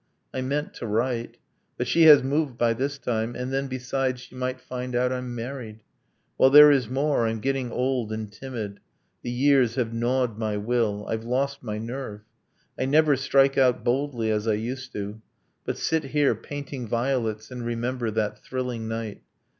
I meant to write but she has moved, by this time, And then, besides, she might find out I'm married. Well, there is more I'm getting old and timid The years have gnawed my will. I've lost my nerve! I never strike out boldly as I used to But sit here, painting violets, and remember That thrilling night.